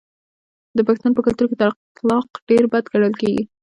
د پښتنو په کلتور کې طلاق ډیر بد ګڼل کیږي.